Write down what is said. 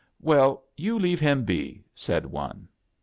"Well, you leave him be," said one.